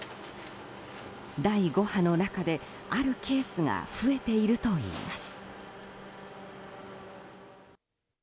第５波の中で、あるケースが増えているといいます。